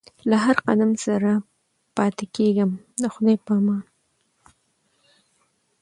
له هر قدم سره پاتېږمه د خدای په امان